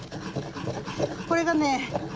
これがね